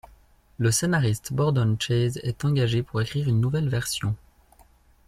Le scénariste Borden Chase est engagé pour écrire une nouvelle version.